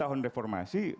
dua puluh tahun reformasi